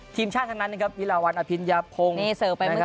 ทีมชาติทั้งนั้นวิลาวัลอภิญาพงศ์